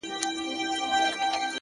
چي پر یوې ښځینه هنرمندي رحم وکړي